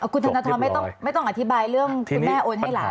คุณธนทรนไม่ต้องอธิบายเรื่องคุณแม่โอนให้หลายหรือเปล่า